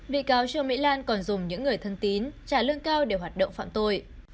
vị cáo trường mỹ lan còn dùng những người thân tín trả lương cao để hoạt động phạm tội